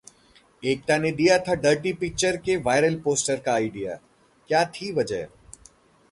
एकता ने दिया था डर्टी पिक्चर के वायरल पोस्टर का आइडिया, क्या थी वजह?